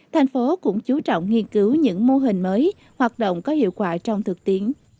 thành phố cũng chú trọng nghiên cứu những mô hình mới hoạt động có hiệu quả trong thực tiễn